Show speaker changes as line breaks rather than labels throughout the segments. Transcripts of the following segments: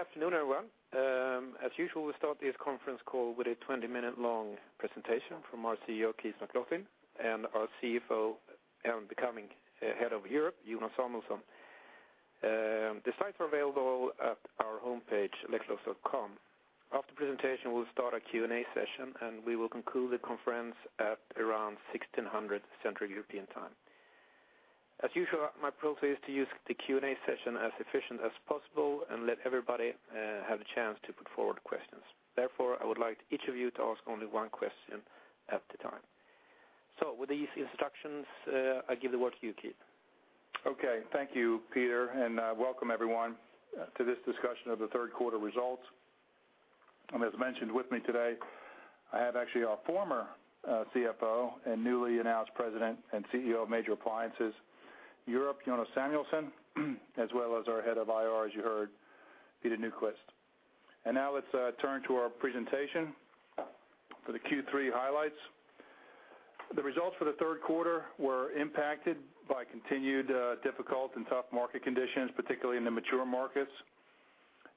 Good afternoon, everyone. As usual, we'll start this conference call with a 20-minute-long presentation from our CEO, Keith McLoughlin, and our CFO and becoming Head of Europe, Jonas Samuelson. The slides are available at our homepage, electrolux.com. After the presentation, we'll start a Q&A session. We will conclude the conference at around 16:00 Central European Time. As usual, my approach is to use the Q&A session as efficient as possible and let everybody have a chance to put forward questions. Therefore, I would like each of you to ask only one question at a time. With these instructions, I give the word to you, Keith.
Okay. Thank you, Peter, welcome everyone to this discussion of the third quarter results. As mentioned with me today, I have actually our former CFO and newly announced President and CEO of Major Appliances Europe, Jonas Samuelson, as well as our Head of IR, as you heard, Peter Nyquist. Now let's turn to our presentation for the Q3 highlights. The results for the third quarter were impacted by continued difficult and tough market conditions, particularly in the mature markets.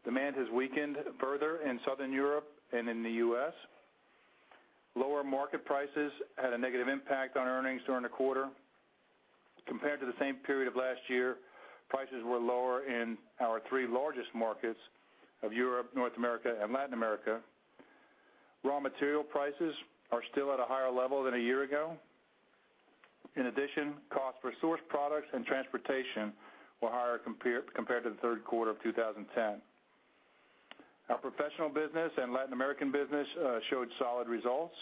Demand has weakened further in Southern Europe and in the U.S. Lower market prices had a negative impact on earnings during the quarter. Compared to the same period of last year, prices were lower in our three largest markets of Europe, North America, and Latin America. Raw material prices are still at a higher level than a year ago. In addition, cost for source products and transportation were higher compared to the third quarter of 2010. Our professional business and Latin American business showed solid results.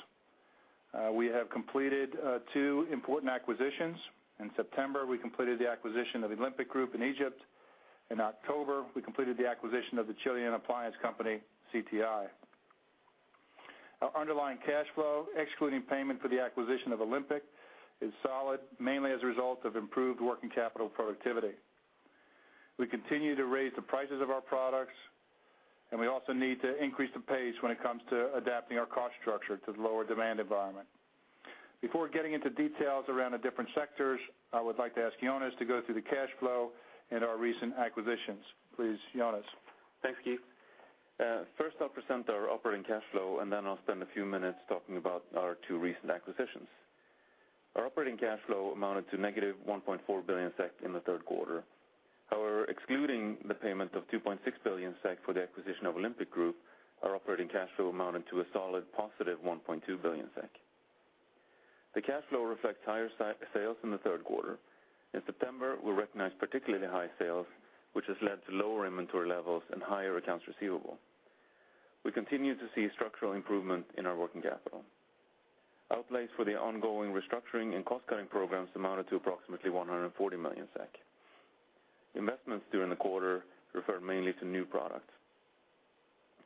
We have completed two important acquisitions. In September, we completed the acquisition of Olympic Group in Egypt. In October, we completed the acquisition of the Chilean appliance company, CTI. Our underlying cash flow, excluding payment for the acquisition of Olympic, is solid, mainly as a result of improved working capital productivity. We continue to raise the prices of our products, and we also need to increase the pace when it comes to adapting our cost structure to the lower demand environment. Before getting into details around the different sectors, I would like to ask Jonas to go through the cash flow and our recent acquisitions. Please, Jonas.
Thanks, Keith. First, I'll present our operating cash flow, and then I'll spend a few minutes talking about our two recent acquisitions. Our operating cash flow amounted to negative 1.4 billion SEK in the third quarter. However, excluding the payment of 2.6 billion SEK for the acquisition of Olympic Group, our operating cash flow amounted to a solid positive 1.2 billion SEK. The cash flow reflects higher sales in the third quarter. In September, we recognized particularly high sales, which has led to lower inventory levels and higher accounts receivable. We continue to see structural improvement in our working capital. Outlays for the ongoing restructuring and cost-cutting programs amounted to approximately 140 million SEK. Investments during the quarter referred mainly to new products.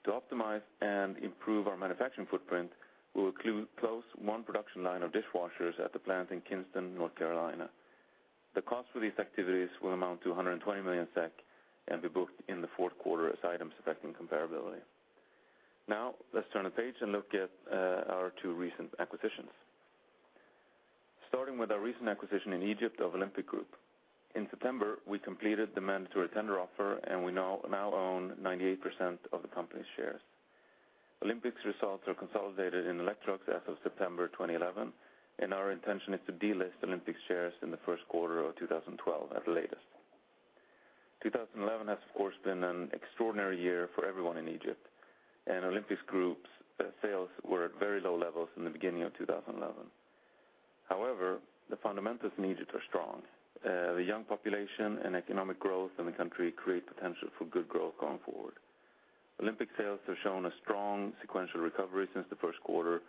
To optimize and improve our manufacturing footprint, we will close 1 production line of dishwashers at the plant in Kinston, North Carolina. The cost for these activities will amount to 120 million SEK and be booked in the fourth quarter as items affecting comparability. Let's turn the page and look at our 2 recent acquisitions. Starting with our recent acquisition in Egypt of Olympic Group. In September, we completed the mandatory tender offer, and we now own 98% of the company's shares. Olympic's results are consolidated in Electrolux as of September 2011, and our intention is to delist Olympic's shares in the first quarter of 2012 at the latest. 2011 has, of course, been an extraordinary year for everyone in Egypt, and Olympic Group's sales were at very low levels in the beginning of 2011. However, the fundamentals in Egypt are strong. The young population and economic growth in the country create potential for good growth going forward. Olympic sales have shown a strong sequential recovery since the first quarter,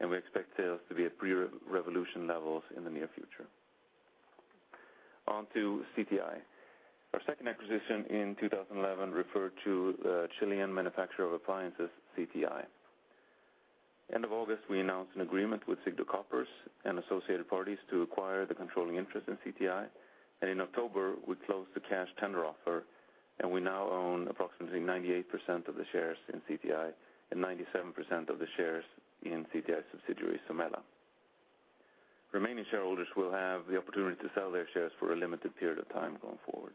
and we expect sales to be at pre-revolution levels in the near future. On to CTI. Our second acquisition in 2011 referred to the Chilean manufacturer of appliances, CTI. End of August, we announced an agreement with Sigdo Koppers and associated parties to acquire the controlling interest in CTI. In October, we closed the cash tender offer. We now own approximately 98% of the shares in CTI and 97% of the shares in CTI subsidiary, Somela. Remaining shareholders will have the opportunity to sell their shares for a limited period of time going forward.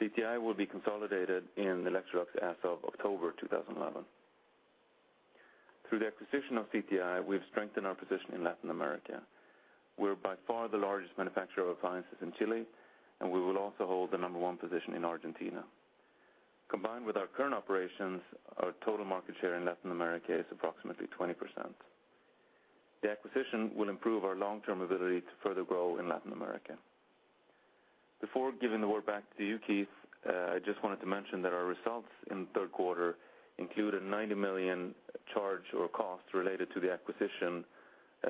CTI will be consolidated in Electrolux as of October 2011. Through the acquisition of CTI, we've strengthened our position in Latin America. We're by far the largest manufacturer of appliances in Chile. We will also hold the number 1 position in Argentina. Combined with our current operations, our total market share in Latin America is approximately 20%. The acquisition will improve our long-term ability to further grow in Latin America. Before giving the word back to you, Keith, I just wanted to mention that our results in the third quarter include a 90 million charge or cost related to the acquisition,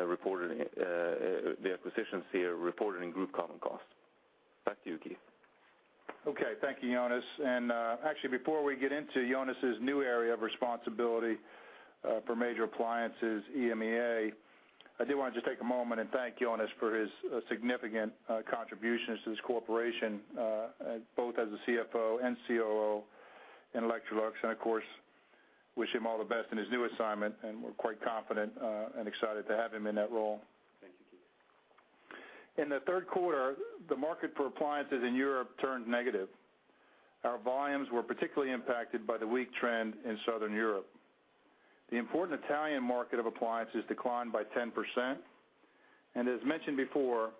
reported, the acquisitions here, reported in group common costs. Back to you, Keith.
Okay. Thank you, Jonas. Actually, before we get into Jonas's new area of responsibility for Major Appliances EMEA, I do want to just take a moment and thank Jonas for his significant contributions to this corporation, both as a CFO and COO in Electrolux. Of course, wish him all the best in his new assignment, and we're quite confident and excited to have him in that role. In the third quarter, the market for appliances in Europe turned negative. Our volumes were particularly impacted by the weak trend in Southern Europe. The important Italian market of appliances declined by 10%. As mentioned before,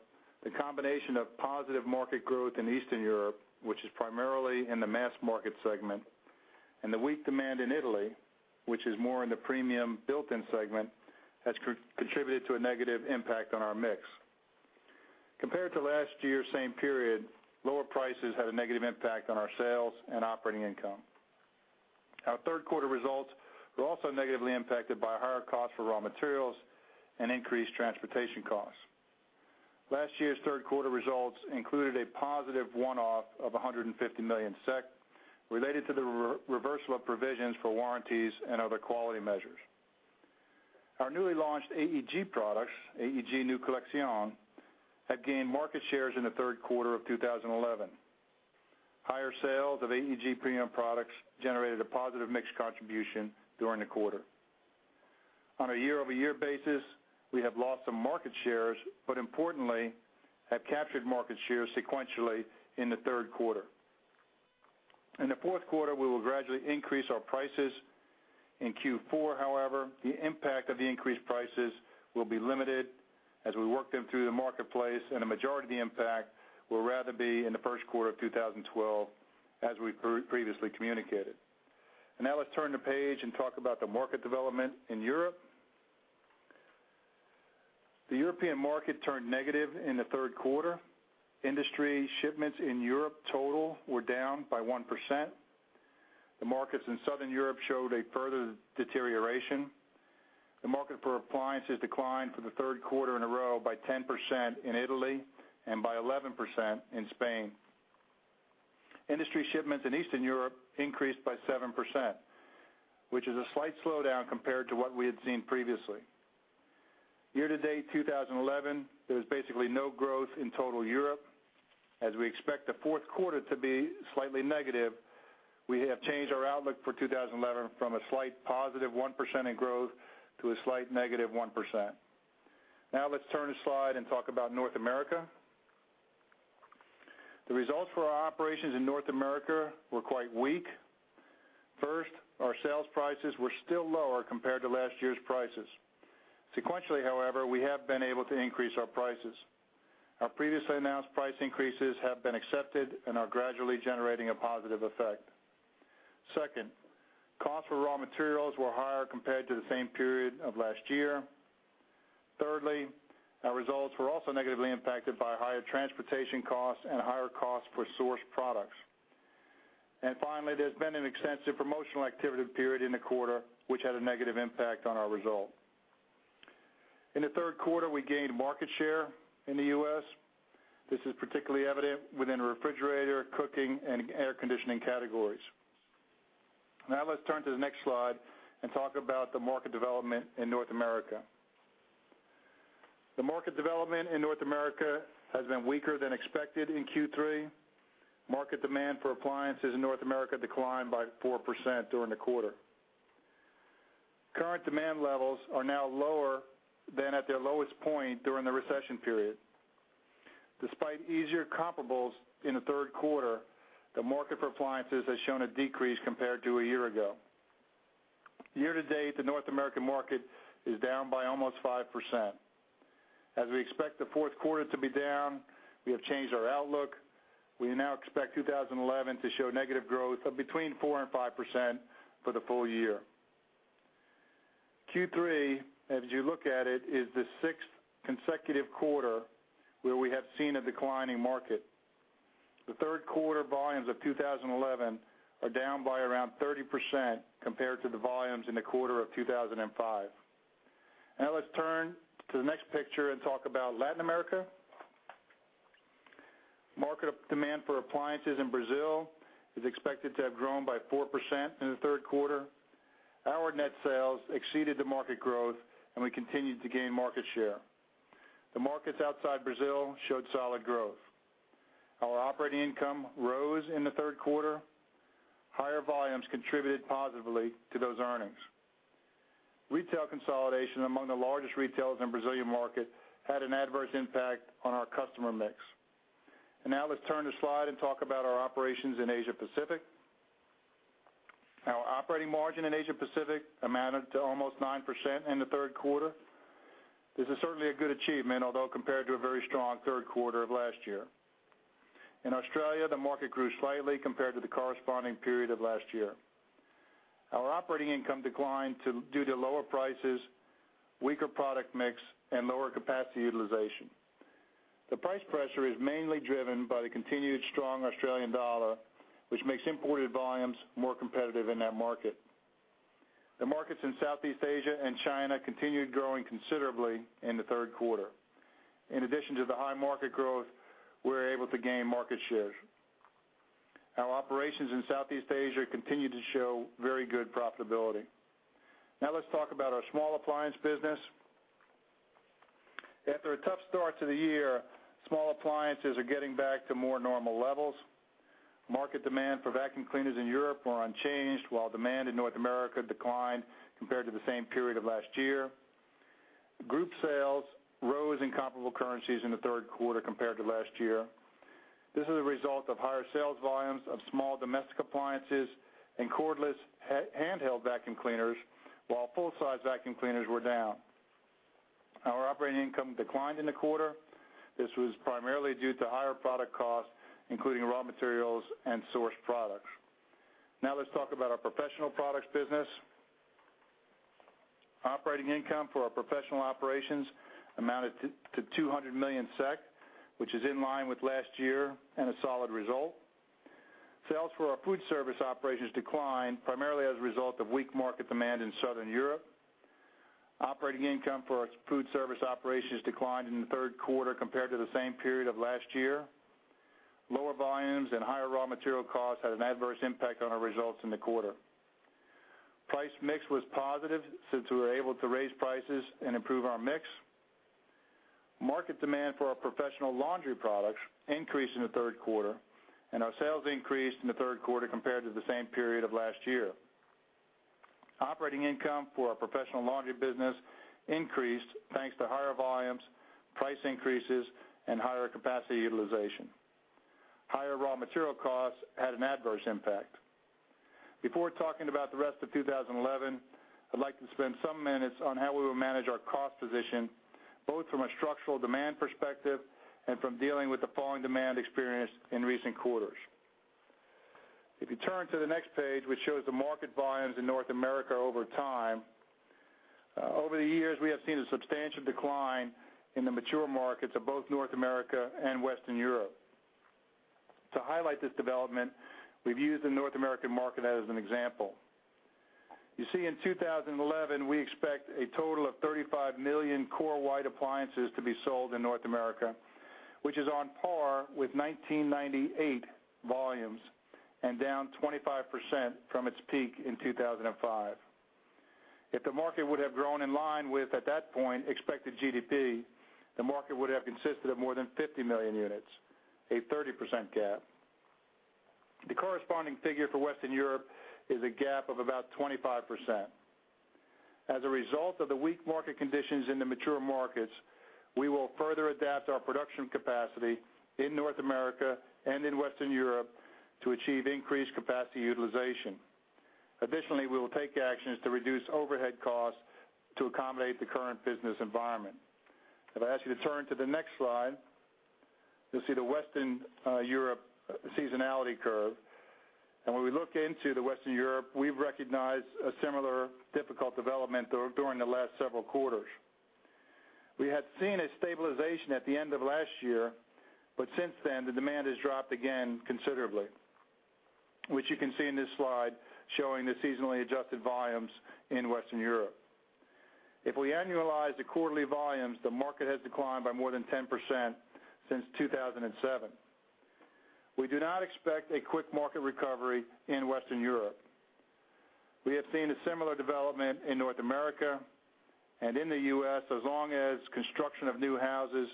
the combination of positive market growth in Eastern Europe, which is primarily in the mass market segment, and the weak demand in Italy, which is more in the premium built-in segment, has contributed to a negative impact on our mix. Compared to last year, same period, lower prices had a negative impact on our sales and operating income. Our third quarter results were also negatively impacted by higher costs for raw materials and increased transportation costs. Last year's third quarter results included a positive one-off of 150 million SEK, related to the reversal of provisions for warranties and other quality measures. Our newly launched AEG products, AEG Neue Kollektion, have gained market shares in the third quarter of 2011. Higher sales of AEG premium products generated a positive mix contribution during the quarter. On a year-over-year basis, we have lost some market shares, importantly, have captured market shares sequentially in the third quarter. In the fourth quarter, we will gradually increase our prices. In Q4 however, the impact of the increased prices will be limited as we work them through the marketplace, the majority of the impact will rather be in the first quarter of 2012, as we've previously communicated. Let's turn the page and talk about the market development in Europe. The European market turned negative in the third quarter. Industry shipments in Europe total were down by 1%. The markets in Southern Europe showed a further deterioration. The market for appliances declined for the third quarter in a row by 10% in Italy and by 11% in Spain. Industry shipments in Eastern Europe increased by 7%, which is a slight slowdown compared to what we had seen previously. Year-to-date 2011, there was basically no growth in total Europe. As we expect the fourth quarter to be slightly negative, we have changed our outlook for 2011 from a slight positive 1% in growth to a slight negative 1%. Let's turn the slide and talk about North America. The results for our operations in North America were quite weak. First, our sales prices were still lower compared to last year's prices. Sequentially, however, we have been able to increase our prices. Our previously announced price increases have been accepted and are gradually generating a positive effect. Second, cost for raw materials were higher compared to the same period of last year. Thirdly, our results were also negatively impacted by higher transportation costs and higher costs for sourced products. Finally, there's been an extensive promotional activity period in the quarter, which had a negative impact on our result. In the third quarter, we gained market share in the U.S. This is particularly evident within the refrigerator, cooking, and air conditioning categories. Let's turn to the next slide and talk about the market development in North America. The market development in North America has been weaker than expected in Q3. Market demand for appliances in North America declined by 4% during the quarter. Current demand levels are now lower than at their lowest point during the recession period. Despite easier comparables in the third quarter, the market for appliances has shown a decrease compared to a year ago. Year-to-date, the North American market is down by almost 5%. As we expect the fourth quarter to be down, we have changed our outlook. We now expect 2011 to show negative growth of between 4% and 5% for the full year. Q3, as you look at it, is the sixth consecutive quarter where we have seen a declining market. The third quarter volumes of 2011 are down by around 30% compared to the volumes in the quarter of 2005. Let's turn to the next picture and talk about Latin America. Market demand for appliances in Brazil is expected to have grown by 4% in the third quarter. Our net sales exceeded the market growth, and we continued to gain market share. The markets outside Brazil showed solid growth. Our operating income rose in the third quarter. Higher volumes contributed positively to those earnings. Retail consolidation among the largest retailers in Brazilian market had an adverse impact on our customer mix. Now let's turn the slide and talk about our operations in Asia Pacific. Our operating margin in Asia Pacific amounted to almost 9% in the third quarter. This is certainly a good achievement, although compared to a very strong third quarter of last year. In Australia, the market grew slightly compared to the corresponding period of last year. Our operating income declined due to lower prices, weaker product mix, and lower capacity utilization. The price pressure is mainly driven by the continued strong Australian dollar, which makes imported volumes more competitive in that market. The markets in Southeast Asia and China continued growing considerably in the 3rd quarter. In addition to the high market growth, we were able to gain market share. Our operations in Southeast Asia continued to show very good profitability. Let's talk about our small appliance business. After a tough start to the year, small appliances are getting back to more normal levels. Market demand for vacuum cleaners in Europe were unchanged, while demand in North America declined compared to the same period of last year. Group sales rose in comparable currencies in the 3rd quarter compared to last year. This is a result of higher sales volumes of small domestic appliances and cordless handheld vacuum cleaners, while full-size vacuum cleaners were down. Our operating income declined in the quarter. This was primarily due to higher product costs, including raw materials and source products. Let's talk about our professional products business. Operating income for our professional operations amounted to 200 million SEK, which is in line with last year and a solid result. Sales for our food service operations declined primarily as a result of weak market demand in Southern Europe. Operating income for our food service operations declined in the third quarter compared to the same period of last year. Lower volumes and higher raw material costs had an adverse impact on our results in the quarter. Price mix was positive since we were able to raise prices and improve our mix. Market demand for our professional laundry products increased in the third quarter, and our sales increased in the third quarter compared to the same period of last year. Operating income for our professional laundry business increased thanks to higher volumes, price increases, and higher capacity utilization. Higher raw material costs had an adverse impact. Before talking about the rest of 2011, I'd like to spend some minutes on how we will manage our cost position, both from a structural demand perspective and from dealing with the falling demand experience in recent quarters. If you turn to the next page, which shows the market volumes in North America over time, over the years, we have seen a substantial decline in the mature markets of both North America and Western Europe. To highlight this development, we've used the North American market as an example. You see, in 2011, we expect a total of 35 million core white appliances to be sold in North America, which is on par with 1998 volumes and down 25% from its peak in 2005. If the market would have grown in line with, at that point, expected GDP, the market would have consisted of more than 50 million units, a 30% gap. The corresponding figure for Western Europe is a gap of about 25%. As a result of the weak market conditions in the mature markets, we will further adapt our production capacity in North America and in Western Europe to achieve increased capacity utilization. Additionally, we will take actions to reduce overhead costs to accommodate the current business environment. If I ask you to turn to the next slide, you'll see the Western Europe seasonality curve. When we look into the Western Europe, we've recognized a similar difficult development during the last several quarters. We had seen a stabilization at the end of last year, but since then, the demand has dropped again considerably, which you can see in this slide showing the seasonally adjusted volumes in Western Europe. If we annualize the quarterly volumes, the market has declined by more than 10% since 2007. We do not expect a quick market recovery in Western Europe. We have seen a similar development in North America and in the U.S., as long as construction of new houses,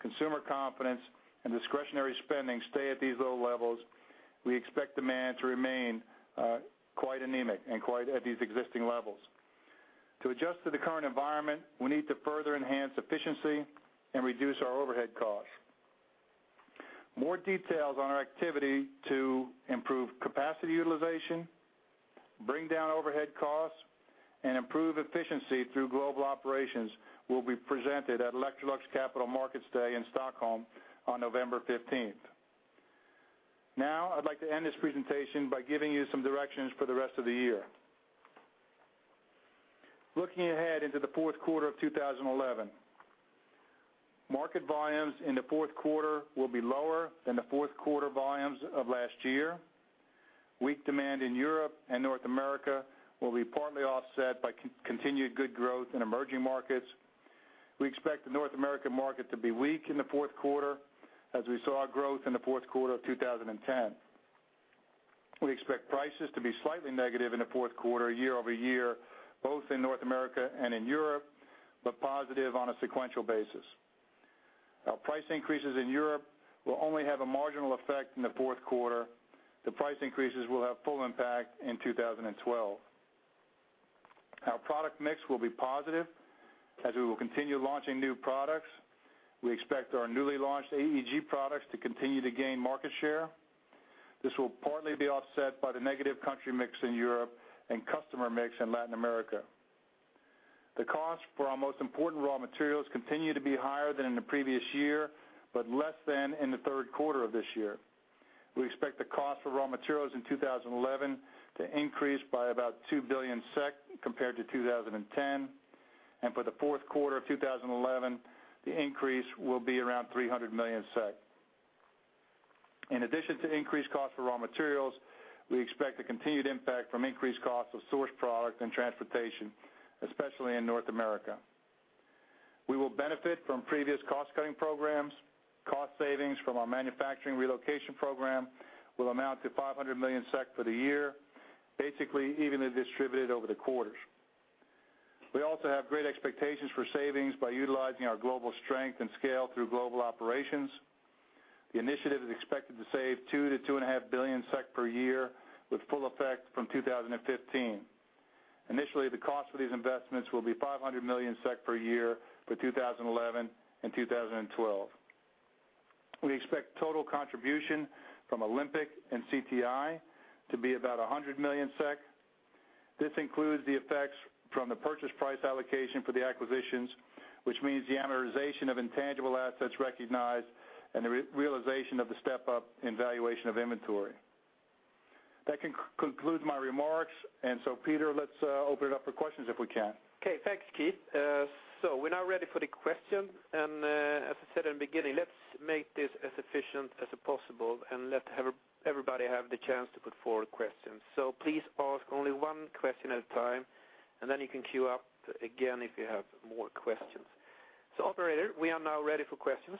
consumer confidence, and discretionary spending stay at these low levels, we expect demand to remain quite anemic and quite at these existing levels. To adjust to the current environment, we need to further enhance efficiency and reduce our overhead costs. More details on our activity to improve capacity utilization, bring down overhead costs, and improve efficiency through global operations will be presented at Electrolux Capital Markets Day in Stockholm on November 15th. I'd like to end this presentation by giving you some directions for the rest of the year. Looking ahead into the fourth quarter of 2011, market volumes in the fourth quarter will be lower than the fourth quarter volumes of last year. Weak demand in Europe and North America will be partly offset by continued good growth in emerging markets. We expect the North American market to be weak in the fourth quarter, as we saw growth in the fourth quarter of 2010. We expect prices to be slightly negative in the fourth quarter, year-over-year, both in North America and in Europe, but positive on a sequential basis. Our price increases in Europe will only have a marginal effect in the fourth quarter. The price increases will have full impact in 2012. Our product mix will be positive, as we will continue launching new products. We expect our newly launched AEG products to continue to gain market share. This will partly be offset by the negative country mix in Europe and customer mix in Latin America. The cost for our most important raw materials continue to be higher than in the previous year, but less than in the third quarter of this year. We expect the cost for raw materials in 2011 to increase by about 2 billion SEK compared to 2010, and for the fourth quarter of 2011, the increase will be around 300 million SEK. In addition to increased cost for raw materials, we expect a continued impact from increased costs of source products and transportation, especially in North America. We will benefit from previous cost-cutting programs. Cost savings from our manufacturing relocation program will amount to 500 million SEK for the year, basically evenly distributed over the quarters. We also have great expectations for savings by utilizing our global strength and scale through global operations. The initiative is expected to save 2 billion-2.5 billion SEK per year, with full effect from 2015. Initially, the cost of these investments will be 500 million SEK per year for 2011 and 2012. We expect total contribution from Olympic and CTI to be about 100 million SEK. This includes the effects from the purchase price allocation for the acquisitions, which means the amortization of intangible assets recognized and the realization of the step up in valuation of inventory. That concludes my remarks. Peter, let's open it up for questions if we can.
Okay, thanks, Keith. So we're now ready for the questions. As I said in the beginning, let's make this as efficient as possible and everybody have the chance to put forward questions. Please ask only one question at a time, and then you can queue up again if you have more questions. Operator, we are now ready for questions.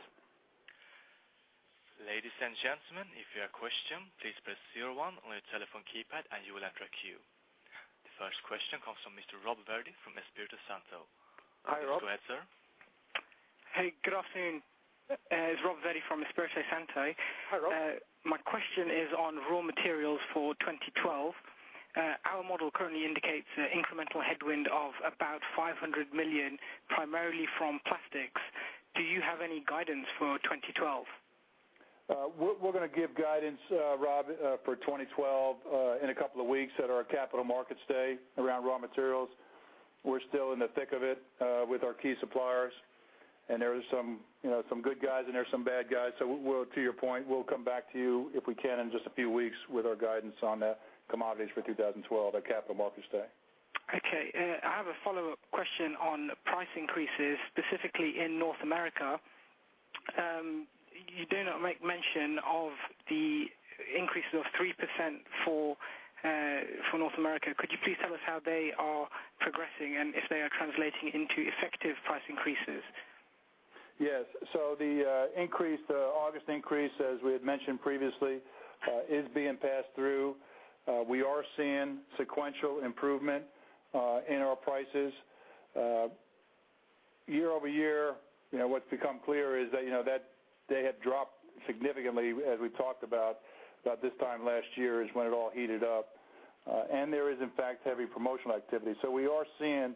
Ladies and gentlemen, if you have a question, please press 01 on your telephone keypad. You will enter a queue. The first question comes from Mr. Rob Verdi from Espirito Santo.
Hi, Rob.
Please go ahead, sir.
Hey, good afternoon. It's Rob Verdi from Espirito Santo.
Hi, Rob.
My question is on raw materials for 2012. Our model currently indicates an incremental headwind of about 500 million, primarily from plastics. Do you have any guidance for 2012?
We're gonna give guidance, Rob, for 2012, in a couple of weeks at our Capital Markets Day around raw materials. We're still in the thick of it, with our key suppliers, and there is some, you know, some good guys and there are some bad guys. We'll, to your point, we'll come back to you, if we can, in just a few weeks with our guidance on the commodities for 2012, at Capital Markets Day.
I have a follow-up question on price increases, specifically in North America. You do not make mention of the increases of 3% for North America. Could you please tell us how they are progressing and if they are translating into effective price increases?
Yes. The increase, the August increase, as we had mentioned previously, is being passed through. We are seeing sequential improvement in our prices. Year-over-year, you know, what's become clear is that, you know, that they had dropped significantly as we talked about this time last year is when it all heated up. There is, in fact, heavy promotional activity. We are seeing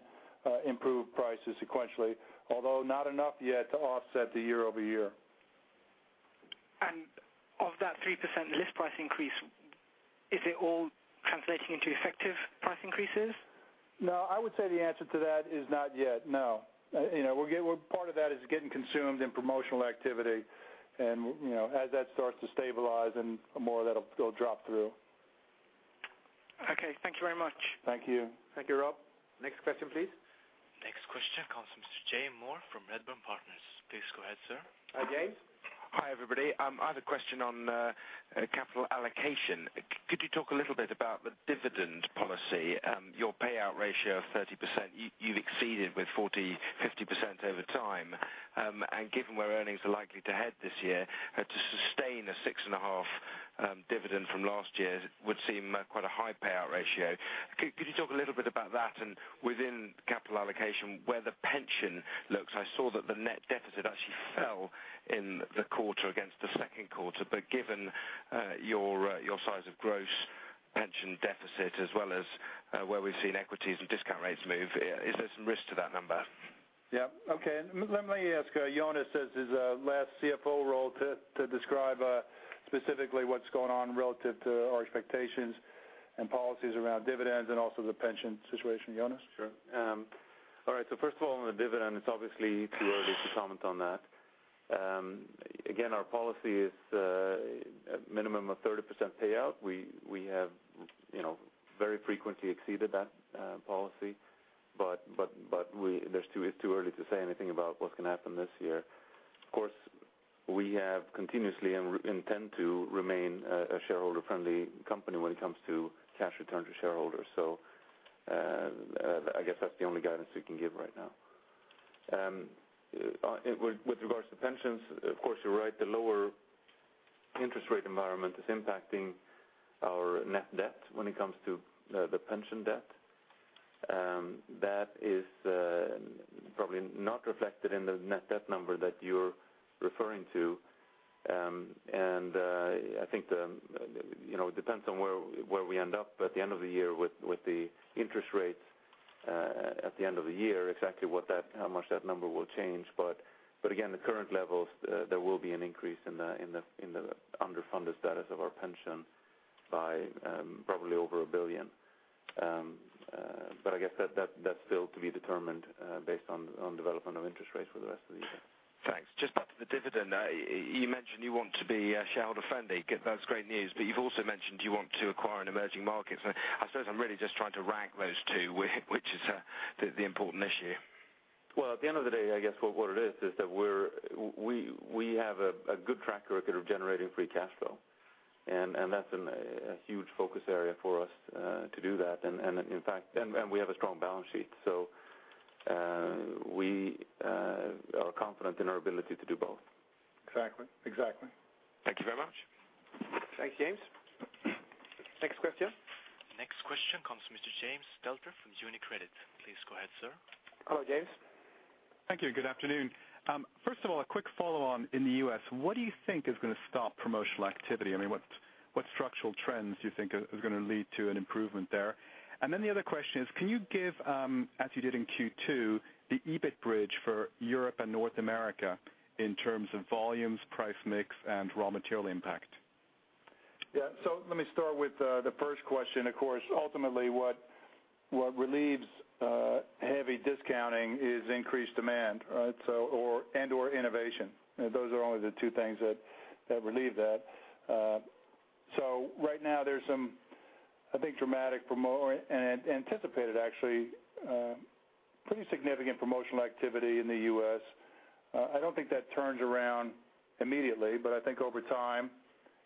improved prices sequentially, although not enough yet to offset the year-over-year.
Of that 3% list price increase, is it all translating into effective price increases?
No, I would say the answer to that is not yet, no. You know, part of that is getting consumed in promotional activity and, you know, as that starts to stabilize and more of that'll, it'll drop through.
Okay. Thank you very much.
Thank you.
Thank you, Rob. Next question, please.
Next question comes from Mr. James Moore from Redburn Partners. Please go ahead, sir.
Hi, James.
Hi, everybody. I have a question on capital allocation. Could you talk a little bit about the dividend policy? Your payout ratio of 30%, you've exceeded with 40, 50% over time. Given where earnings are likely to head this year, to sustain a 6.5 dividend from last year would seem quite a high payout ratio. Could you talk a little bit about that? Within capital allocation, where the pension looks, I saw that the net deficit actually fell in the quarter against the second quarter, but given your your size of gross pension deficit, as well as where we've seen equities and discount rates move, is there some risk to that number?
Yeah. Okay, let me ask Jonas, as his last CFO role, to describe specifically what's going on relative to our expectations and policies around dividends and also the pension situation. Jonas?
Sure. All right. First of all, on the dividend, it's obviously too early to comment on that. Again, our policy is a minimum of 30% payout. We have, you know, very frequently exceeded that policy. It's too early to say anything about what's going to happen this year. Of course, we have continuously and intend to remain a shareholder-friendly company when it comes to cash return to shareholders. I guess that's the only guidance we can give right now. With regards to pensions, of course, you're right, the lower interest rate environment is impacting our net debt when it comes to the pension debt. That is probably not reflected in the net debt number that you're referring to. I think the, you know, it depends on where we end up at the end of the year with the interest rates at the end of the year, exactly what that, how much that number will change. Again, the current levels, there will be an increase in the underfunded status of our pension by probably over 1 billion. I guess that's still to be determined based on development of interest rates for the rest of the year.
Thanks. Just back to the dividend. You mentioned you want to be shareholder friendly. That's great news. You've also mentioned you want to acquire in emerging markets. I suppose I'm really just trying to rank those two, which is, the important issue.
Well, at the end of the day, I guess what it is that we have a good track record of generating free cash flow, and that's a huge focus area for us to do that. In fact, we have a strong balance sheet, so we are confident in our ability to do both.
Exactly. Exactly.
Thank you very much.
Thanks, James.
Next question.
Next question comes from Mr. James Stettler from UniCredit. Please go ahead, sir.
Hello, James.
Thank you, good afternoon. First of all, a quick follow on in the U.S., what do you think is going to stop promotional activity? I mean, what structural trends do you think is going to lead to an improvement there? The other question is, can you give, as you did in Q2, the EBIT bridge for Europe and North America in terms of volumes, price mix, and raw material impact?
Yeah. Let me start with the first question. Of course, ultimately, what relieves heavy discounting is increased demand, right? Or, and/or innovation. Those are only the two things that relieve that. Right now, there's some, I think, dramatic and anticipated, actually, pretty significant promotional activity in the U.S. I don't think that turns around immediately, but I think over time,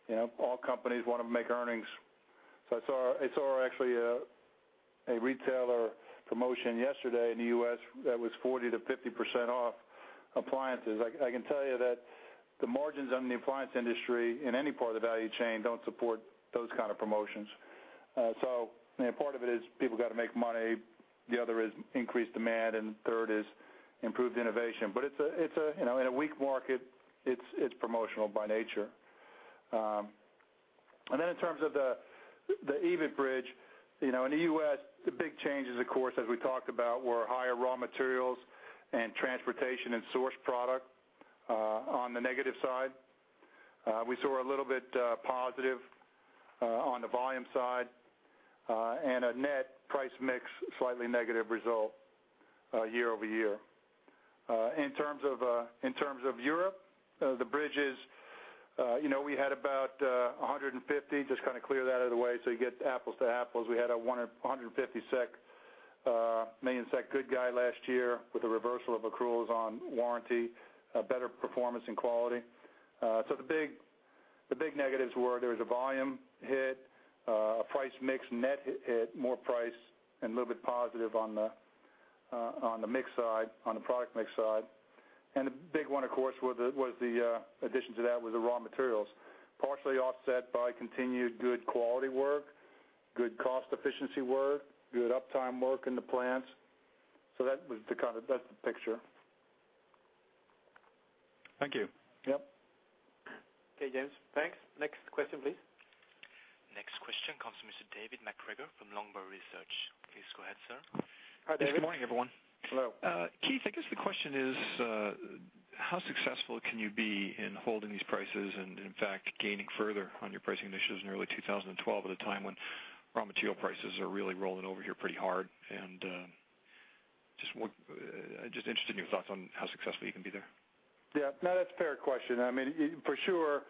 you know, all companies want to make earnings. I saw actually a retailer promotion yesterday in the U.S. that was 40%-50% off appliances. I can tell you that the margins on the appliance industry, in any part of the value chain, don't support those kind of promotions. I mean, part of it is people got to make money, the other is increased demand, and third is improved innovation. You know, in a weak market, it's promotional by nature. In terms of the EBIT bridge, you know, in the U.S., the big changes, of course, as we talked about, were higher raw materials and transportation and source product on the negative side. We saw a little bit positive on the volume side, and a net price mix, slightly negative result year-over-year. In terms of in terms of Europe, the bridges, you know, we had about 150, just kind of clear that out of the way so you get apples to apples. We had 150 million SEK good guy last year with a reversal of accruals on warranty, a better performance in quality. The big negatives were there was a volume hit, a price mix, net hit, more price, and a little bit positive on the mix side, on the product mix side. The big one, of course, was the addition to that was the raw materials, partially offset by continued good quality work, good cost efficiency work, good uptime work in the plants. That was the kind of, that's the picture.
Thank you.
Yep.
Okay, James. Thanks. Next question, please.
Next question comes from Mr. David MacGregor from Longbow Research. Please go ahead, sir.
Hi, David.
Good morning, everyone.
Hello.
Keith, I guess the question is, how successful can you be in holding these prices and, in fact, gaining further on your pricing initiatives in early 2012, at a time when raw material prices are really rolling over here pretty hard? Just what, just interested in your thoughts on how successful you can be there?
No, that's a fair question. I mean, for sure,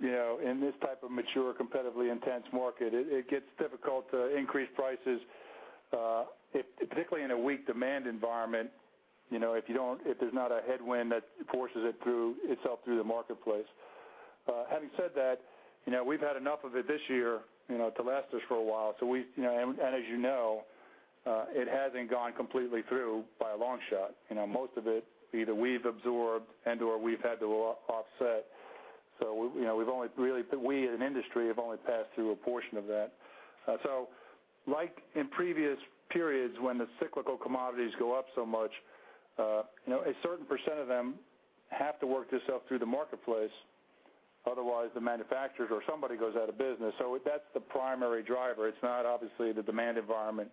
you know, in this type of mature, competitively intense market, it gets difficult to increase prices, if, particularly in a weak demand environment, you know, if there's not a headwind that forces it through, itself through the marketplace. Having said that, you know, we've had enough of it this year, you know, to last us for a while. We, you know, and as you know, it hasn't gone completely through by a long shot. You know, most of it, either we've absorbed and/or we've had to off-offset. We, you know, we've only really, we as an industry, have only passed through a portion of that. like in previous periods, when the cyclical commodities go up so much, you know, a certain % of them have to work theirselves through the marketplace, otherwise, the manufacturers or somebody goes out of business. That's the primary driver. It's not obviously the demand environment,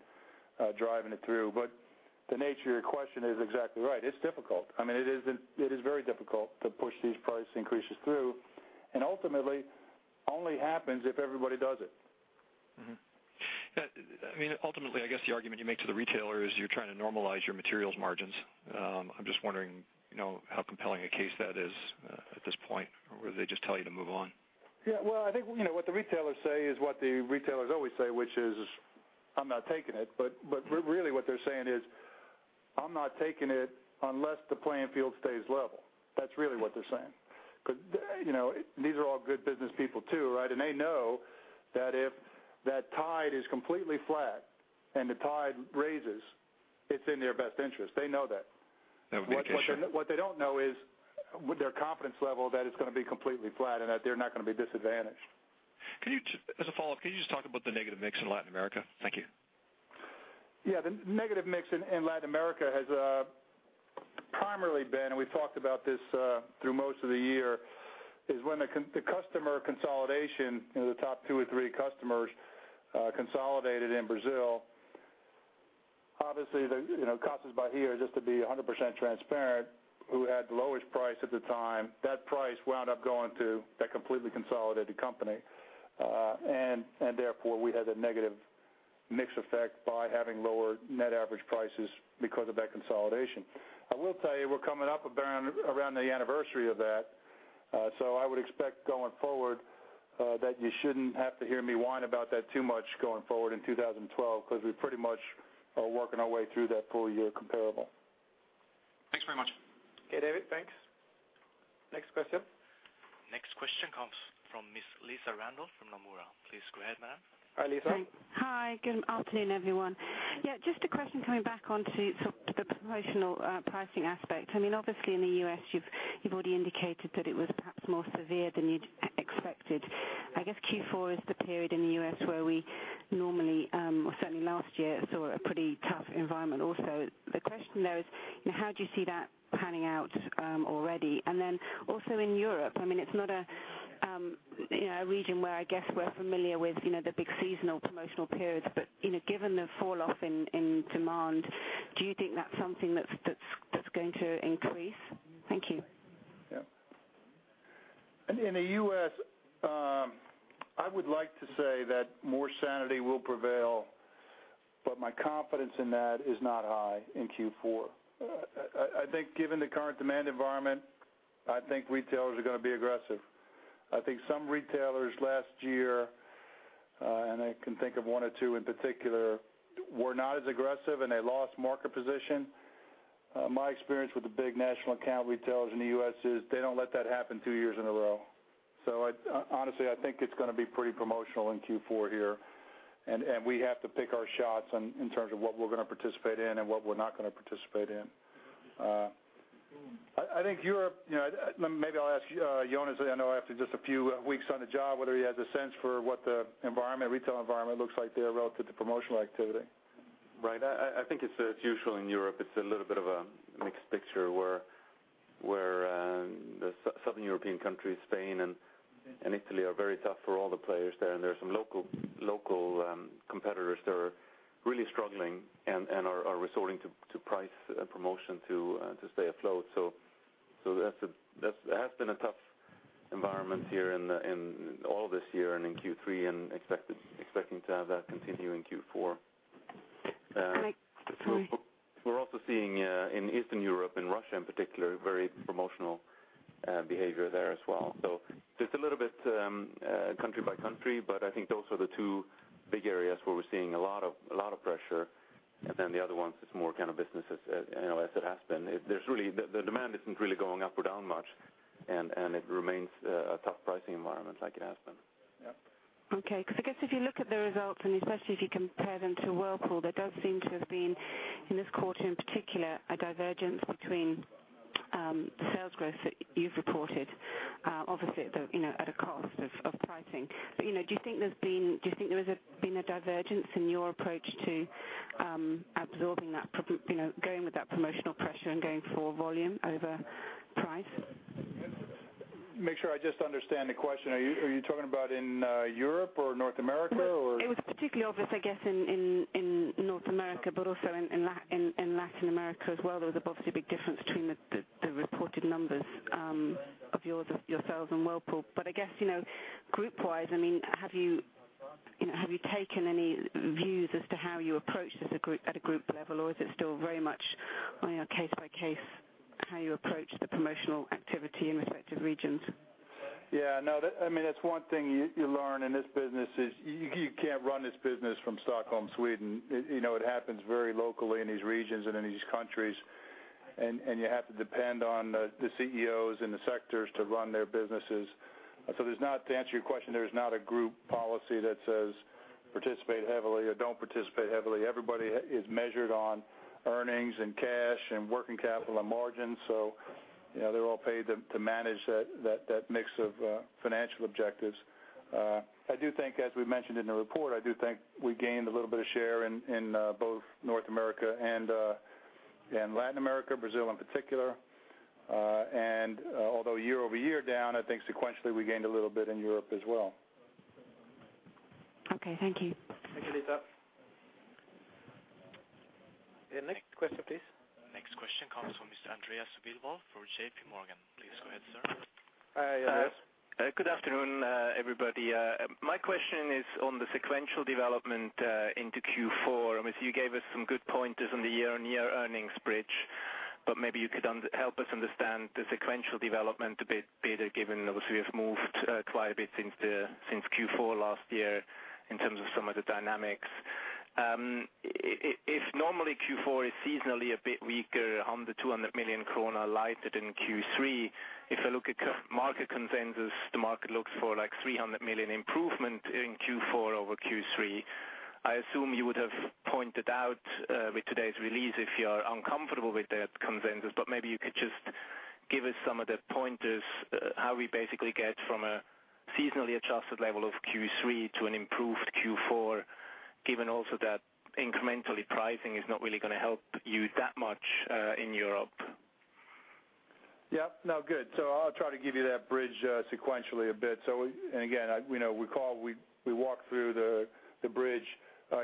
driving it through. The nature of your question is exactly right. It's difficult. I mean, it is very difficult to push these price increases through, and ultimately, only happens if everybody does it.
Yeah, I mean, ultimately, I guess the argument you make to the retailer is you're trying to normalize your materials margins. I'm just wondering, you know, how compelling a case that is at this point, or they just tell you to move on?
Yeah, well, I think, you know, what the retailers say is what the retailers always say, which is, "I'm not taking it," but really what they're saying is, "I'm not taking it unless the playing field stays level." That's really what they're saying. You know, these are all good business people, too, right? They know that if that tide is completely flat and the tide raises, it's in their best interest. They know that.
No.
What they don't know is, with their confidence level, that it's going to be completely flat and that they're not going to be disadvantaged.
As a follow-up, can you just talk about the negative mix in Latin America? Thank you.
Yeah. The negative mix in Latin America has primarily been, and we've talked about this, through most of the year, is when the customer consolidation, you know, the top two or three customers consolidated in Brazil. Obviously, the, you know, Casas Bahia, just to be 100% transparent, who had the lowest price at the time, that price wound up going to that completely consolidated company. Therefore, we had a negative mix effect by having lower net average prices because of that consolidation. I will tell you, we're coming up around the anniversary of that, so I would expect going forward, that you shouldn't have to hear me whine about that too much going forward in 2012, 'cause we pretty much are working our way through that full year comparable.
Thanks very much.
Okay, David, thanks.
Next question.
Next question comes from Miss Liza Kerley from Nomura. Please go ahead, ma'am.
Hi, Liza....
Hi, good afternoon, everyone. Yeah, just a question coming back on to sort of the promotional pricing aspect. I mean, obviously, in the U.S., you've already indicated that it was perhaps more severe than you'd expected. I guess Q4 is the period in the U.S. where we normally, or certainly last year, saw a pretty tough environment also. The question, though, is, you know, how do you see that panning out already? Then also in Europe, I mean, it's not a, you know, a region where I guess we're familiar with, you know, the big seasonal promotional periods, but, you know, given the falloff in demand, do you think that's something that's going to increase? Thank you.
Yeah. In the U.S., I would like to say that more sanity will prevail, but my confidence in that is not high in Q4. I think given the current demand environment, I think retailers are gonna be aggressive. I think some retailers last year, and I can think of one or two in particular, were not as aggressive, and they lost market position. My experience with the big national account retailers in the U.S. is they don't let that happen two years in a row. Honestly, I think it's gonna be pretty promotional in Q4 here, and we have to pick our shots in terms of what we're gonna participate in and what we're not gonna participate in. I think Europe, you know, maybe I'll ask Jonas, I know after just a few weeks on the job, whether he has a sense for what the environment, retail environment looks like there relative to promotional activity.
Right. I think it's usual in Europe. It's a little bit of a mixed picture where the Southern European countries, Spain and Italy, are very tough for all the players there, and there are some local competitors that are really struggling and are resorting to price and promotion to stay afloat. That's, it has been a tough environment here in all this year and in Q3 and expecting to have that continue in Q4.
Great. Sorry.
We're also seeing in Eastern Europe, in Russia in particular, very promotional behavior there as well. Just a little bit country by country, but I think those are the two big areas where we're seeing a lot of pressure, and then the other ones, it's more kind of businesses, as, you know, as it has been. There's really the demand isn't really going up or down much, and it remains a tough pricing environment like it has been.
Yeah.
Okay, 'cause I guess if you look at the results, and especially if you compare them to Whirlpool, there does seem to have been, in this quarter in particular, a divergence between sales growth that you've reported, obviously at the, you know, at a cost of pricing. You know, do you think there has been a divergence in your approach to absorbing that, you know, going with that promotional pressure and going for volume over price?
Make sure I just understand the question. Are you talking about in Europe or North America, or?
It was particularly obvious, I guess, in North America, but also in Latin America as well. There was obviously a big difference between the reported numbers of yours, yourselves and Whirlpool. I guess, you know, group wise, I mean, have you know, have you taken any views as to how you approach as a group, at a group level, or is it still very much on a case-by-case, how you approach the promotional activity in respective regions?
Yeah, no, that, I mean, that's one thing you learn in this business is you can't run this business from Stockholm, Sweden. You know, it happens very locally in these regions and in these countries, and you have to depend on the CEOs and the sectors to run their businesses. There is not, to answer your question, there is not a group policy that says participate heavily or don't participate heavily. Everybody is measured on earnings and cash and working capital and margins, so, you know, they're all paid to manage that mix of financial objectives. I do think, as we mentioned in the report, I do think we gained a little bit of share in both North America and Latin America, Brazil in particular. although year-over-year down, I think sequentially we gained a little bit in Europe as well.
Okay. Thank you.
Thank you, Liza. The next question, please.
Next question comes from Mr. Andreas Willi from JP Morgan. Please go ahead, sir.
Hi, Andreas.
Hi.
Good afternoon, everybody. My question is on the sequential development into Q4. I mean, you gave us some good pointers on the year-on-year earnings bridge, but maybe you could help us understand the sequential development a bit better, given, obviously, we have moved quite a bit since Q4 last year in terms of some of the dynamics. If normally Q4 is seasonally a bit weaker, 100 million, 200 million krona lighter than Q3, if I look at market consensus, the market looks for like 300 million improvement in Q4 over Q3. I assume you would have pointed out, with today's release, if you are uncomfortable with that consensus. Maybe you could just give us some of the pointers, how we basically get from a seasonally adjusted level of Q3 to an improved Q4, given also that incrementally pricing is not really gonna help you that much, in Europe.
Yeah. No, good. I'll try to give you that bridge sequentially a bit. Again, I, we know, we walk through the bridge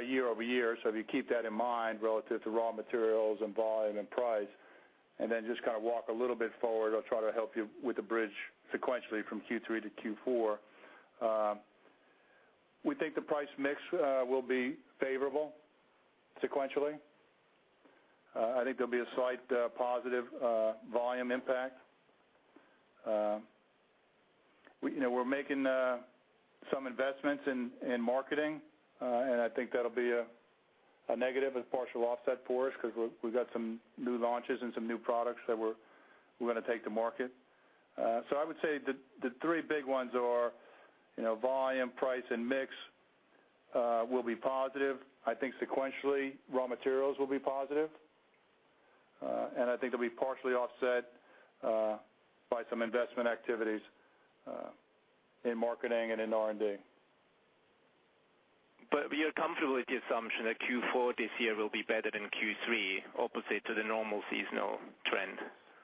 year-over-year. If you keep that in mind relative to raw materials and volume and price, then just kind of walk a little bit forward, I'll try to help you with the bridge sequentially from Q3 to Q4. We think the price mix will be favorable sequentially. I think there'll be a slight positive volume impact. We, you know, we're making some investments in marketing, and I think that'll be a negative and partial offset for us, because we've got some new launches and some new products that we're gonna take to market. I would say the three big ones are, you know, volume, price, and mix, will be positive. I think sequentially, raw materials will be positive. I think they'll be partially offset, by some investment activities, in marketing and in R&D.
You're comfortable with the assumption that Q4 this year will be better than Q3, opposite to the normal seasonal trend?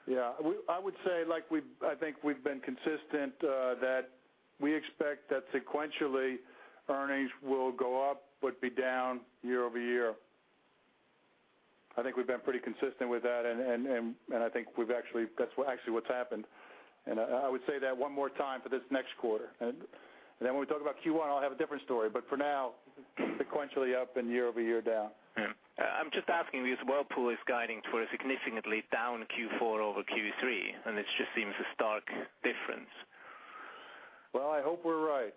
Yeah. I would say, like, I think we've been consistent that we expect that sequentially, earnings will go up, but be down year-over-year. I think we've been pretty consistent with that, and I think we've actually, that's what's happened. I would say that one more time for this next quarter. When we talk about Q1, I'll have a different story, but for now, sequentially up and year-over-year down.
Yeah. I'm just asking because Whirlpool is guiding for a significantly down Q4 over Q3. It just seems a stark difference.
Well, I hope we're right.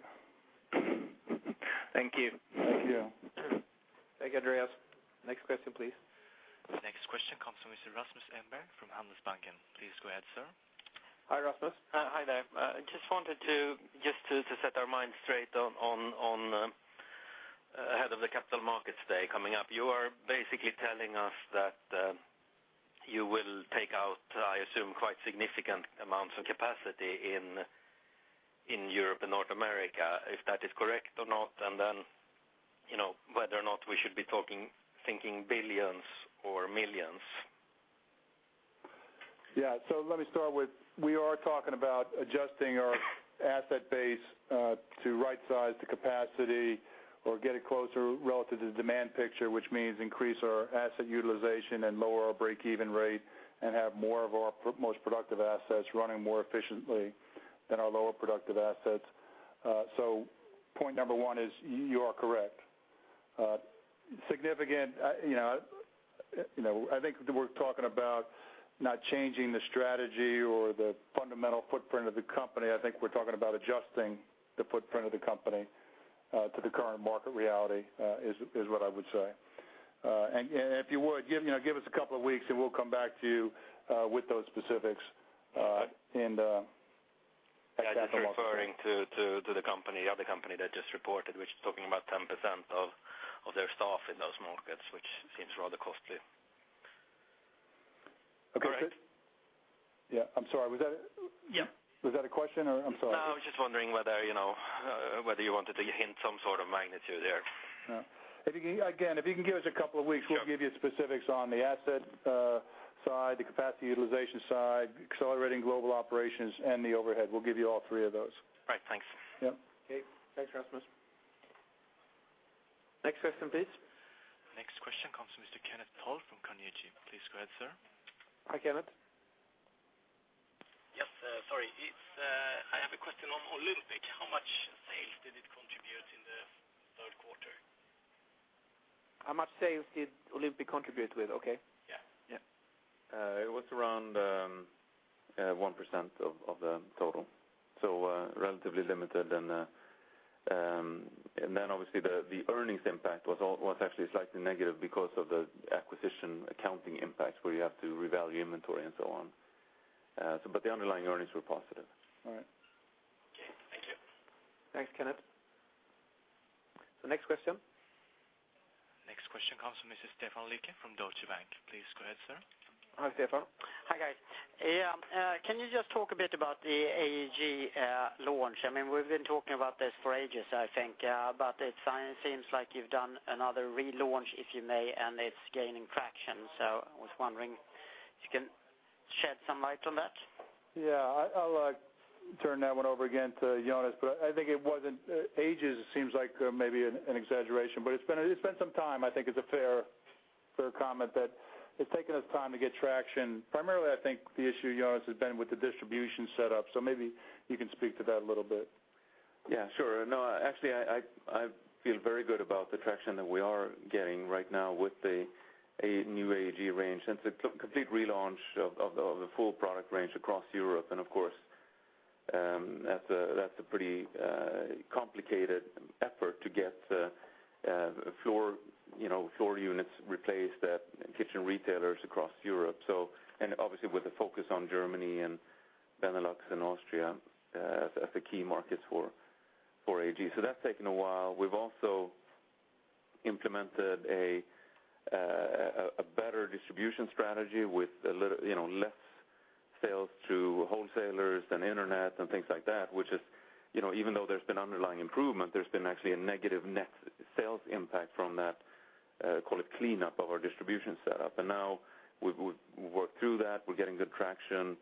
Thank you.
Thank you.
Thank you, Andreas. Next question, please.
The next question comes from Mr. Rasmus Engberg from Handelsbanken. Please go ahead, sir.
Hi, Rasmus.
Hi there. Just wanted to set our minds straight on ahead of the Capital Markets Day coming up. You are basically telling us that you will take out, I assume, quite significant amounts of capacity in Europe and North America, if that is correct or not, and then, you know, whether or not we should be talking, thinking billions or millions?
Yeah. Let me start with, we are talking about adjusting our asset base to right size the capacity or get it closer relative to the demand picture, which means increase our asset utilization and lower our break-even rate, and have more of our most productive assets running more efficiently than our lower productive assets. Point number one is, you are correct. Significant, you know, I think that we're talking about not changing the strategy or the fundamental footprint of the company. I think we're talking about adjusting the footprint of the company to the current market reality is what I would say. If you would give, you know, give us a couple of weeks, and we'll come back to you with those specifics.
Yeah, just referring to the company, other company that just reported, which is talking about 10% of their staff in those markets, which seems rather costly.
Okay.
Correct.
Yeah. I'm sorry.
Yeah.
Was that a question, or...? I'm sorry.
No, I was just wondering whether, you know, whether you wanted to hint some sort of magnitude there.
Yeah. If you can, again, if you can give us a couple of weeks-
Sure.
We'll give you specifics on the asset, side, the capacity utilization side, accelerating global operations, and the overhead. We'll give you all three of those.
Right. Thanks.
Yeah.
Okay. Thanks, Rasmus. Next question, please.
Next question comes from Mr. Kenneth Toll from Carnegie. Please go ahead, sir.
Hi, Kenneth.
Yes, sorry. It's, I have a question on Olympic. How much sales did it contribute in the third quarter?
How much sales did Olympic contribute with? Okay.
Yeah.
Yeah.
It was around 1% of the total, so, relatively limited. Then obviously, the earnings impact was actually slightly negative because of the acquisition accounting impacts, where you have to revalue inventory and so on. But the underlying earnings were positive.
All right.
Okay, thank you.
Thanks, Kenneth. The next question?
Next question comes from Mr. Stefan Lycke from Deutsche Bank. Please go ahead, sir.
Hi, Stefan.
Hi, guys. Yeah, can you just talk a bit about the AEG launch? I mean, we've been talking about this for ages, I think, but it seems like you've done another relaunch, if you may, and it's gaining traction. I was wondering if you can shed some light on that?
Yeah. I'll turn that one over again to Jonas, but I think it wasn't ages, it seems like maybe an exaggeration, but it's been some time. I think it's a fair comment that it's taken us time to get traction. Primarily, I think the issue, Jonas, has been with the distribution setup. Maybe you can speak to that a little bit.
Yeah, sure. No, actually, I feel very good about the traction that we are getting right now with the new AEG range, and the complete relaunch of the full product range across Europe. Of course, that's a pretty complicated effort to get, you know, floor units replaced at kitchen retailers across Europe. Obviously, with a focus on Germany and Benelux and Austria, as the key markets for AEG. That's taken a while. We've also implemented a better distribution strategy with a little, you know, less sales through wholesalers and internet and things like that, which is, you know, even though there's been underlying improvement, there's been actually a negative net sales impact from that, call it cleanup of our distribution setup. Now, we've worked through that. We're getting good traction.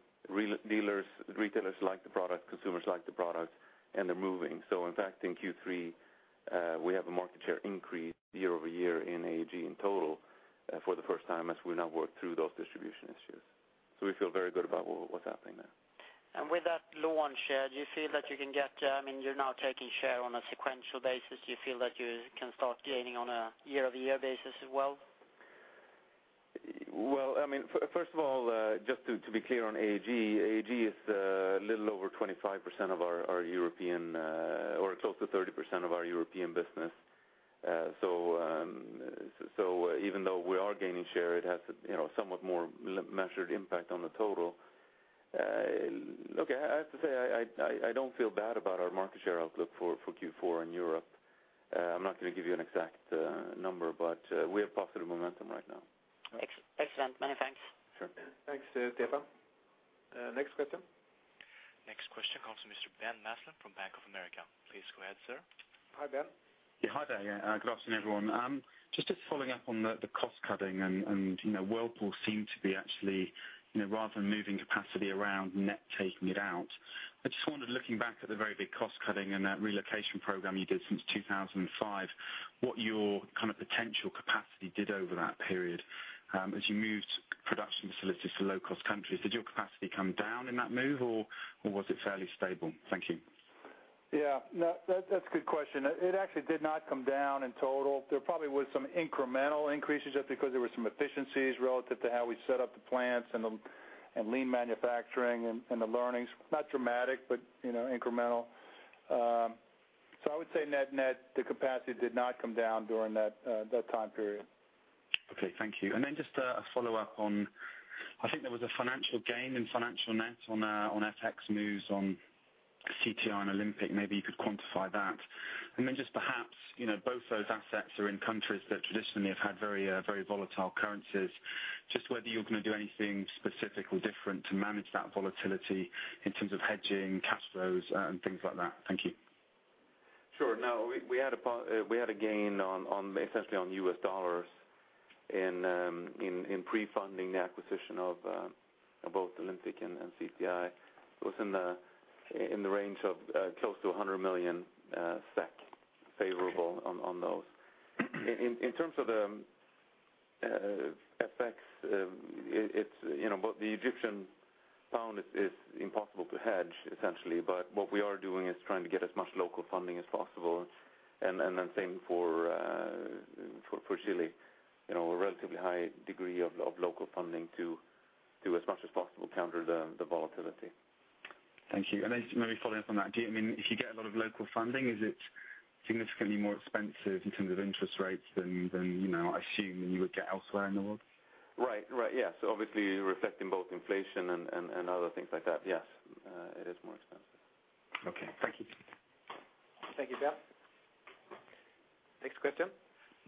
Dealers, retailers like the product, consumers like the product, they're moving. In fact, in Q3, we have a market share increase year-over-year in AEG in total, for the first time, as we now work through those distribution issues. We feel very good about what's happening there.
With that launch share, do you feel that you can get, I mean, you're now taking share on a sequential basis? Do you feel that you can start gaining on a year-over-year basis as well?
Well, I mean, first of all, just to be clear on AEG is a little over 25% of our European, or close to 30% of our European business. Even though we are gaining share, it has, you know, somewhat more measured impact on the total. Look, I have to say, I don't feel bad about our market share outlook for Q4 in Europe. I'm not gonna give you an exact number, but we have positive momentum right now.
Excellent. Many thanks.
Sure.
Thanks, Stefan. Next question?
Next question comes from Mr. Ben Maslen from Bank of America. Please go ahead, sir. Hi, Ben.
Yeah, hi there. Good afternoon, everyone. Just following up on the cost cutting and, you know, Whirlpool seemed to be actually, you know, rather than moving capacity around, net taking it out. I just wondered, looking back at the very big cost cutting and that relocation program you did since 2005, what your kind of potential capacity did over that period, as you moved production facilities to low-cost countries, did your capacity come down in that move, or was it fairly stable? Thank you.
No, that's a good question. It actually did not come down in total. There probably was some incremental increases just because there were some efficiencies relative to how we set up the plants and lean manufacturing and the learnings. Not dramatic, but, you know, incremental. I would say net-net, the capacity did not come down during that time period.
Okay, thank you. Then just a follow-up on, I think there was a financial gain in financial net on FX news, on CTI and Olympic. Maybe you could quantify that. Then just perhaps, you know, both those assets are in countries that traditionally have had very volatile currencies, just whether you're gonna do anything specific or different to manage that volatility in terms of hedging, cash flows, and things like that. Thank you.
Sure. We had a gain on essentially on U.S. dollars in pre-funding the acquisition of both Olympic and CTI. It was in the range of close to 100 million SEK favorable on those. In terms of the FX, it's, you know, the Egyptian pound is impossible to hedge, essentially. What we are doing is trying to get as much local funding as possible, and the same for Chile, you know, a relatively high degree of local funding to as much as possible counter the volatility.
Thank you. Then just maybe following up on that, I mean, if you get a lot of local funding, is it significantly more expensive in terms of interest rates than, you know, I assume you would get elsewhere in the world?
Right. Right. Yes. Obviously, reflecting both inflation and other things like that. Yes, it is more expensive.
Okay. Thank you.
Thank you, Ben. Next question?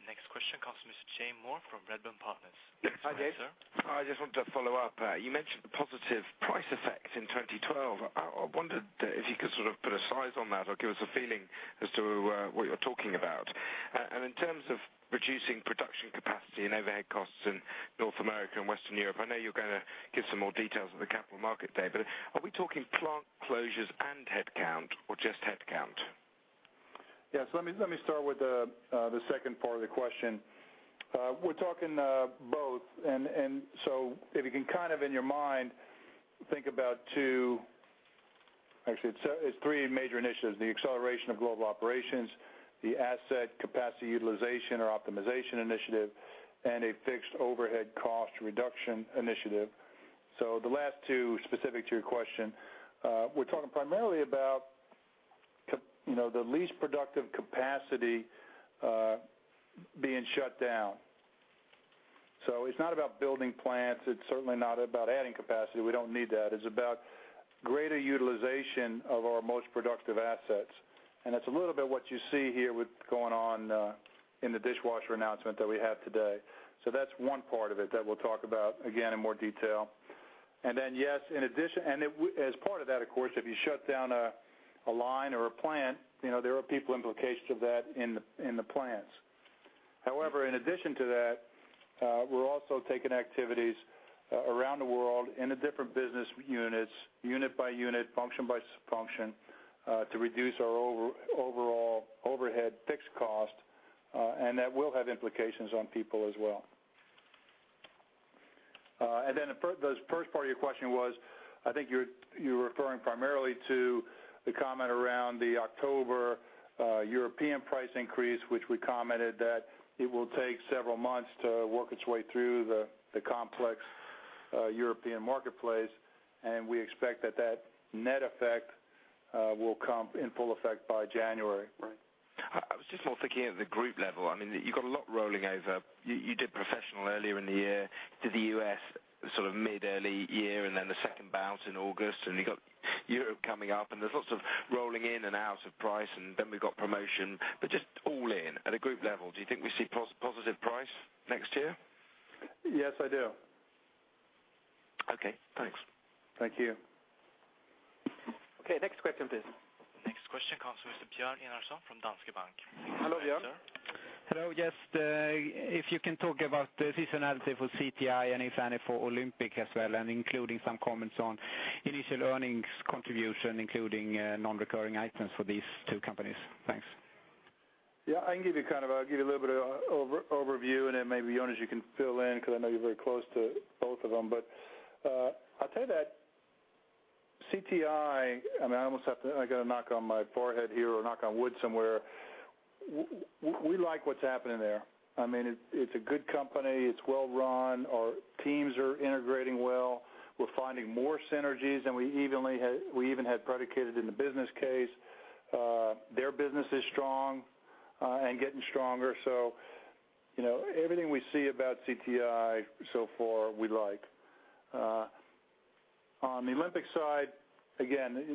Next question comes from Mr. James Moore from Redburn Partners. Hi, James. Go ahead, sir.
Hi, I just wanted to follow up. You mentioned the positive price effect in 2012. I wondered if you could sort of put a size on that or give us a feeling as to what you're talking about. In terms of reducing production capacity and overhead costs in North America and Western Europe, I know you're gonna give some more details at the Capital Markets Day, but are we talking plant closures and headcount or just headcount?
Yes. Let me start with the second part of the question. We're talking both, if you can kind of in your mind, think about Actually, it's three major initiatives, the acceleration of global operations, the asset capacity utilization or optimization initiative, and a fixed overhead cost reduction initiative. The last two, specific to your question, we're talking primarily about You know, the least productive capacity being shut down. It's not about building plants. It's certainly not about adding capacity. We don't need that. It's about greater utilization of our most productive assets, and it's a little bit what you see here with going on in the dishwasher announcement that we had today. That's one part of it that we'll talk about again in more detail. Yes, in addition, and it as part of that, of course, if you shut down a line or a plant, you know, there are people implications of that in the, in the plants. However, in addition to that, we're also taking activities around the world in the different business units, unit by unit, function by function, to reduce our overall overhead fixed cost, and that will have implications on people as well. The first part of your question was, I think you're referring primarily to the comment around the October European price increase, which we commented that it will take several months to work its way through the complex European marketplace, and we expect that that net effect will come in full effect by January.
I was just more thinking at the group level. I mean, you've got a lot rolling over. You did professional earlier in the year, did the U.S. sort of mid, early year, and then the second bout in August, and you got Europe coming up, and there's lots of rolling in and out of price, and then we've got promotion. Just all in, at a group level, do you think we see positive price next year?
Yes, I do.
Okay, thanks.
Thank you.
Next question, please.
Next question comes from Björn Enarson from Danske Bank. Hello, Bjorn.
Hello. Yes, if you can talk about the seasonality for CTI and if any for Olympic as well, and including some comments on initial earnings contribution, including, non-recurring items for these two companies. Thanks.
Yeah, I can give you kind of a, give you a little bit of overview, and then maybe, Jonas, you can fill in, 'cause I know you're very close to both of them. I'll tell you CTI, I mean, I almost have to, I got to knock on my forehead here or knock on wood somewhere. We like what's happening there. I mean, it's a good company. It's well run. Our teams are integrating well. We're finding more synergies than we even had predicated in the business case. Their business is strong and getting stronger. You know, everything we see about CTI so far, we like. On the Olympic side, again,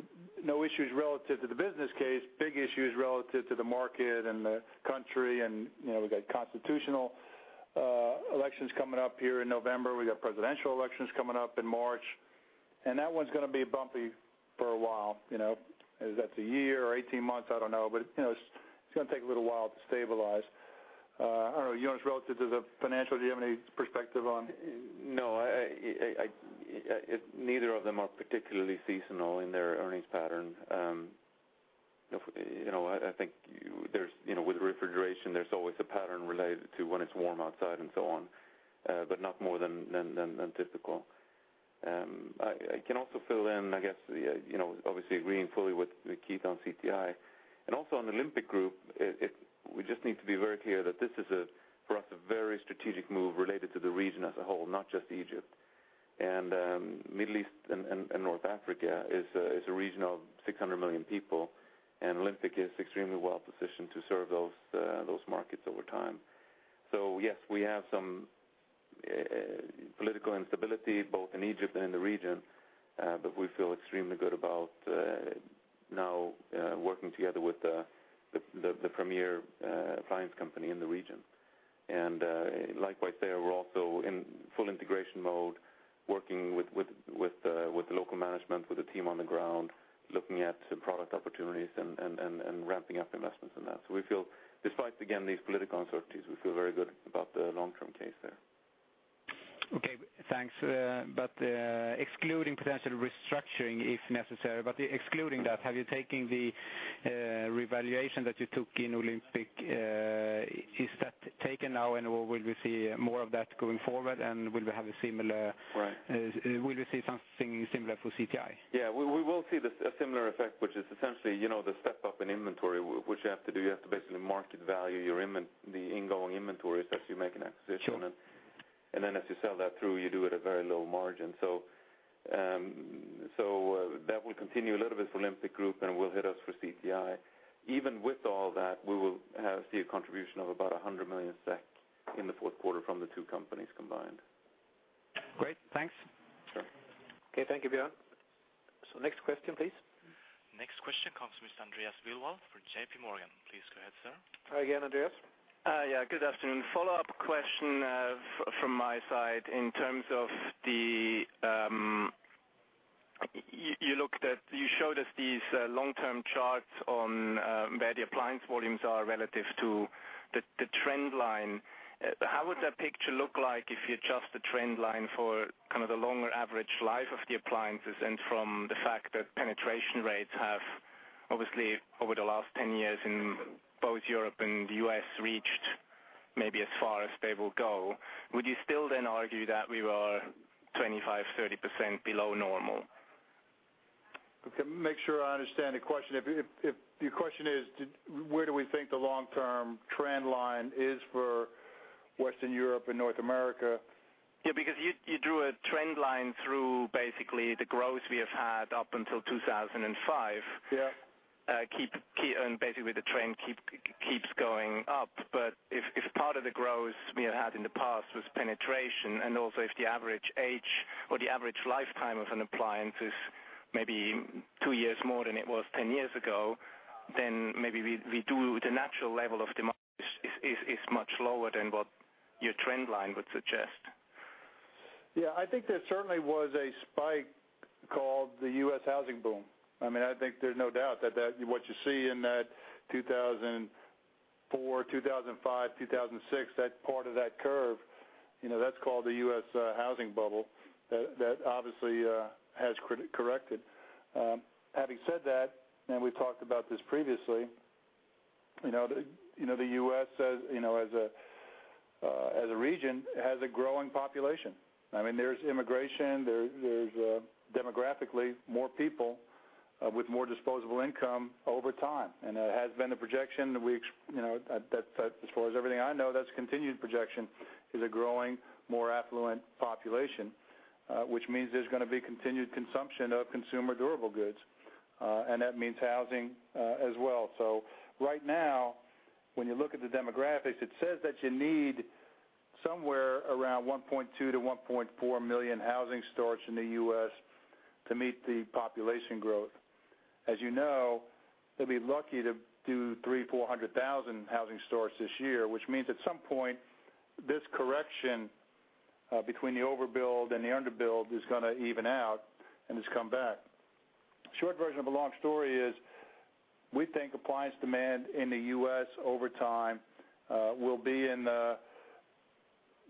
no issues relative to the business case, big issues relative to the market and the country. You know, we've got constitutional elections coming up here in November. We got presidential elections coming up in March. That one's gonna be bumpy for a while, you know. If that's a year or 18 months, I don't know, but, you know, it's gonna take a little while to stabilize. I don't know, Jonas, relative to the financial, do you have any perspective on?
No, I neither of them are particularly seasonal in their earnings pattern. you know, I think there's, you know, with refrigeration, there's always a pattern related to when it's warm outside and so on, but not more than typical. I can also fill in, I guess, the, you know, obviously agreeing fully with Keith on CTI. Also on Olympic Group, we just need to be very clear that this is a, for us, a very strategic move related to the region as a whole, not just Egypt. Middle East and North Africa is a region of 600 million people, and Olympic is extremely well positioned to serve those markets over time. Yes, we have some political instability, both in Egypt and in the region, but we feel extremely good about now working together with the premier appliance company in the region. Likewise, there, we're also in full integration mode, working with the local management, with the team on the ground, looking at product opportunities and ramping up investments in that. We feel despite, again, these political uncertainties, we feel very good about the long-term case there.
Okay, thanks. Excluding potential restructuring, if necessary, but excluding that, have you taken the revaluation that you took in Olympic? Is that taken now, and/or will we see more of that going forward, and will we have a similar-
Right.
will we see something similar for CTI?
Yeah, we will see a similar effect, which is essentially, you know, the step up in inventory, which you have to do. You have to basically market value your ingoing inventories as you make an acquisition.
Sure.
As you sell that through, you do it at a very low margin. That will continue a little bit for Olympic Group and will hit us for CTI. Even with all that, we will see a contribution of about 100 million SEK in the fourth quarter from the two companies combined.
Great. Thanks.
Sure. Okay, thank you, Björn. Next question, please.
Next question comes from Andreas Willi for JP Morgan. Please go ahead, sir.
Hi again, Andreas.
Yeah, good afternoon. Follow-up question from my side in terms of the, you showed us these long-term charts on where the appliance volumes are relative to the trend line. How would that picture look like if you adjust the trend line for kind of the longer average life of the appliances and from the fact that penetration rates have obviously, over the last 10 years in both Europe and the U.S., reached maybe as far as they will go? Would you still then argue that we are 25%, 30% below normal?
Okay, make sure I understand the question. If your question is, where do we think the long-term trend line is for Western Europe and North America?
Because you drew a trend line through basically the growth we have had up until 2005.
Yeah.
Basically the trend keeps going up. If part of the growth we have had in the past was penetration, and also if the average age or the average lifetime of an appliance is maybe 2 years more than it was 10 years ago, then maybe we do the natural level of demand is much lower than what your trend line would suggest.
I think there certainly was a spike called the U.S. housing boom. I mean, I think there's no doubt that what you see in that 2004, 2005, 2006, that part of that curve, you know, that's called the U.S. housing bubble. That obviously has corrected. Having said that, and we've talked about this previously, you know, the U.S. as, you know, as a region, has a growing population. I mean, there's immigration, there's demographically more people with more disposable income over time, and that has been the projection. You know, that as far as everything I know, that's a continued projection, is a growing, more affluent population, which means there's gonna be continued consumption of consumer durable goods, and that means housing as well. Right now, when you look at the demographics, it says that you need somewhere around 1.2 million to 1.4 million housing starts in the U.S. to meet the population growth. As you know, they'll be lucky to do 300,000-400,000 housing starts this year, which means at some point, this correction between the overbuild and the underbuild is gonna even out and has come back. Short version of a long story is, we think appliance demand in the U.S. over time will be in the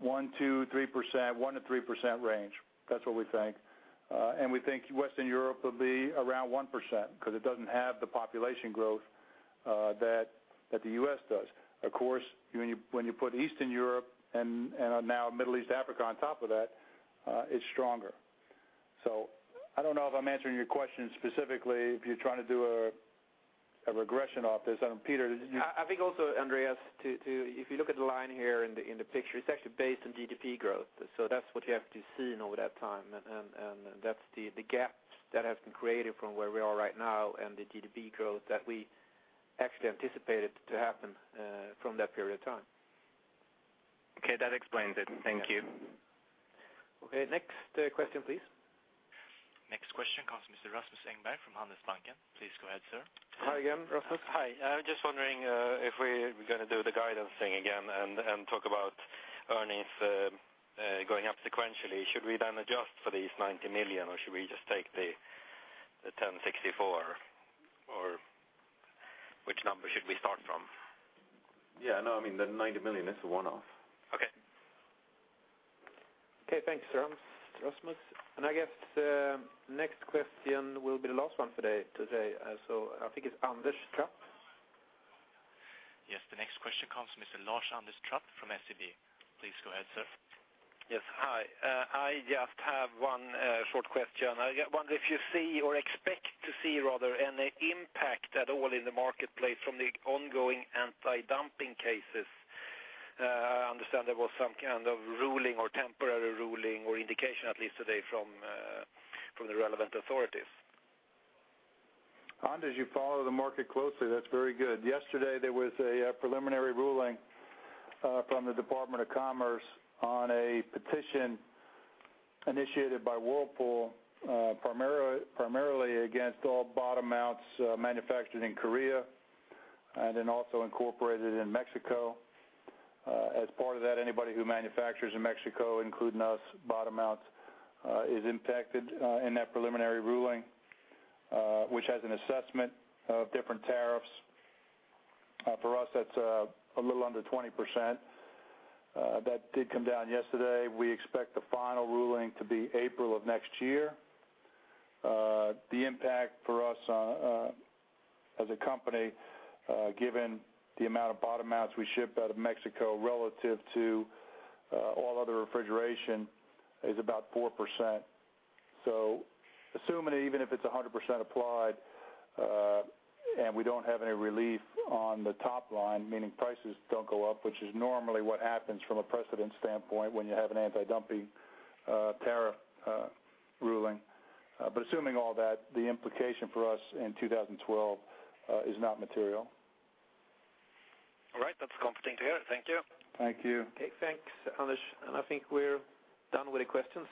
1%-3% range. That's what we think. We think Western Europe will be around 1%, 'cause it doesn't have the population growth that the U.S. does. Of course, when you put Eastern Europe and now Middle East, Africa on top of that, it's stronger. I don't know if I'm answering your question specifically, if you're trying to do a regression off this. I don't know, Peter, did you.
I think also, Andreas, to if you look at the line here in the picture, it's actually based on GDP growth. That's what you have to see over that time. That's the gaps that have been created from where we are right now and the GDP growth that we actually anticipated to happen from that period of time.
Okay, that explains it. Thank you.
Yeah.
Okay, next, question, please.
Next question comes from Mr. Rasmus Engberg, from Handelsbanken. Please go ahead, sir.
Hi again, Rasmus.
Hi. I'm just wondering, if we're gonna do the guidance thing again and talk about earnings going up sequentially. Should we then adjust for these 90 million, or should we just take the 1,064? Or which number should we start from?
Yeah, no, I mean, the 90 million is a one-off.
Okay.
Okay, thanks, Rasmus. I guess the next question will be the last one today. I think it's Anders Trapp.
The next question comes from Mr. Anders Trapp from SEB. Please go ahead, sir.
Yes. Hi. I just have one short question. I wonder if you see or expect to see rather, any impact at all in the marketplace from the ongoing anti-dumping cases? I understand there was some kind of ruling or temporary ruling or indication, at least today from the relevant authorities.
Anders, you follow the market closely. That's very good. Yesterday, there was a preliminary ruling from the Department of Commerce on a petition initiated by Whirlpool, primarily against all bottom mounts manufactured in Korea and then also incorporated in Mexico. As part of that, anybody who manufactures in Mexico, including us, bottom mounts, is impacted in that preliminary ruling, which has an assessment of different tariffs. For us, that's a little under 20%. That did come down yesterday. We expect the final ruling to be April of next year. The impact for us as a company, given the amount of bottom mounts we ship out of Mexico, relative to all other refrigeration, is about 4%. Assuming that even if it's 100% applied, and we don't have any relief on the top line, meaning prices don't go up, which is normally what happens from a precedent standpoint when you have an anti-dumping tariff ruling. Assuming all that, the implication for us in 2012, is not material.
All right. That's comforting to hear. Thank you.
Thank you.
Okay, thanks, Anders. I think we're done with the questions,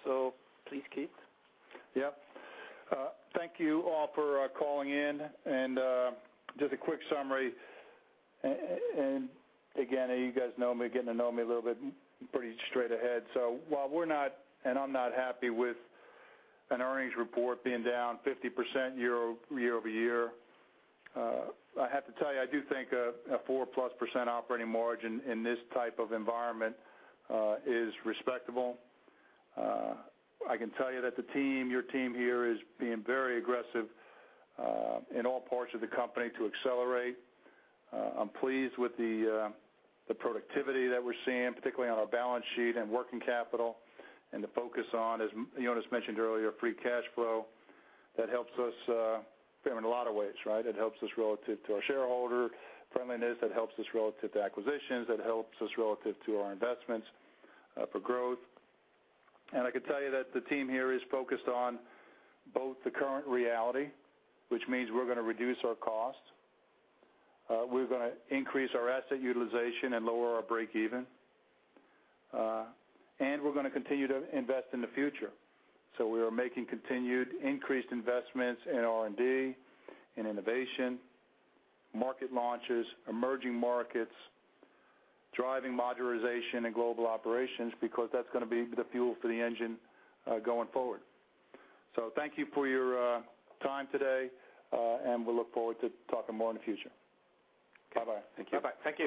please, Keith.
Yeah. Thank you all for calling in. Just a quick summary. Again, you guys know me, getting to know me a little bit, pretty straight ahead. While we're not, and I'm not happy with an earnings report being down 50% year-over-year, I have to tell you, I do think a 4-plus percent operating margin in this type of environment is respectable. I can tell you that the team, your team here, is being very aggressive in all parts of the company to accelerate. I'm pleased with the productivity that we're seeing, particularly on our balance sheet and working capital, and the focus on, as Jonas mentioned earlier, free cash flow. That helps us in a lot of ways, right? It helps us relative to our shareholder friendliness, it helps us relative to acquisitions, it helps us relative to our investments, for growth. I can tell you that the team here is focused on both the current reality, which means we're gonna reduce our costs, we're gonna increase our asset utilization and lower our break even, and we're gonna continue to invest in the future. We are making continued increased investments in R&D, in innovation, market launches, emerging markets, driving modularization and global operations, because that's gonna be the fuel for the engine, going forward. Thank you for your time today, and we'll look forward to talking more in the future. Bye-bye.
Thank you. Bye-bye. Thank you.